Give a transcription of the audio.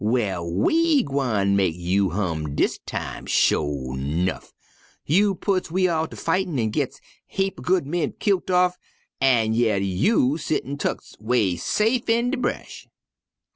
Well, we gwine mek you hum dis time, sho' 'nuff. You putts we all ter fightin' an' gits heap er good men kilt off, an' yer you settin' tuck 'way safe in de bresh.'